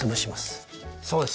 そうです。